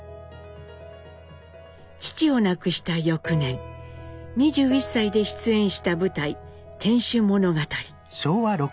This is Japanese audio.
父を亡くした翌年２１歳で出演した舞台「天守物語」。